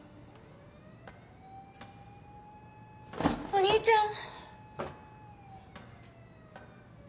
お兄ちゃん！